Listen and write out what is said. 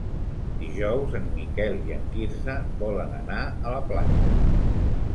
Dijous en Miquel i en Quirze volen anar a la platja.